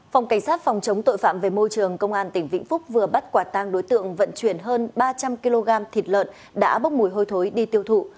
phòng cảnh sát phòng chống tội phạm về môi trường công an tỉnh vĩnh phúc vừa bắt quả tang đối tượng vận chuyển hơn ba trăm linh kg thịt lợn đã bốc mùi hôi thối đi tiêu thụ